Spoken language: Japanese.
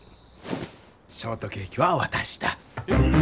ショートケーキはわたしだ！